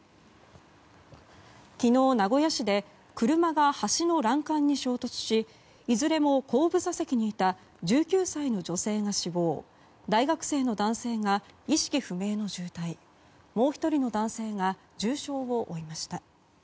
昨日、名古屋市で車が橋の欄干に衝突しいずれも後部座席にいた１９歳の女性が死亡大学生の男性が意識不明の重体もう１人の男性が重傷を負いました。